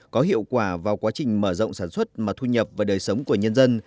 có hiệu quả vào quá trình mở rộng sản xuất mà thu nhập và đời sống của nhân dân